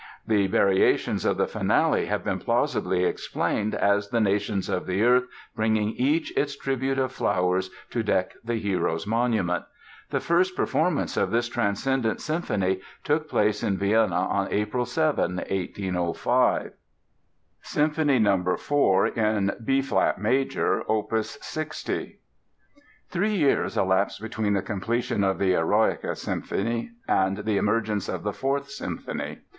The variations of the Finale have been plausibly explained as the nations of the earth bringing each its tribute of flowers to deck the hero's monument. The first performance of this transcendent symphony took place in Vienna on April 7, 1805. Symphony No. 4, in B flat Major, Opus 60 Three years elapsed between the completion of the "Eroica" Symphony and the emergence of the Fourth Symphony.